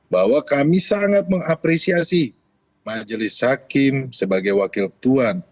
bahwa kami sangat mengapresiasi majelis hakim sebagai wakil tuhan